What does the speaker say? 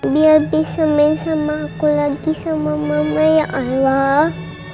biar bisa main sama aku lagi sama mama ya allah